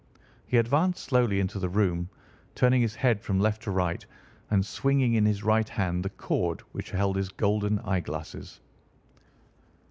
He advanced slowly into the room, turning his head from left to right, and swinging in his right hand the cord which held his golden eyeglasses.